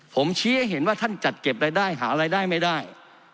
ผมชี้ให้เห็นว่าท่านจัดเก็บรายได้หารายได้ไม่ได้